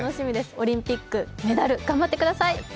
オリンピック、メダル頑張ってください。